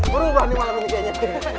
berubah nih malem ini kayaknya